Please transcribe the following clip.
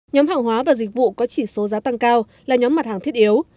nhóm hàng hóa và dịch vụ có chỉ số giá tăng cao là nhóm mặt hàng thiết yếu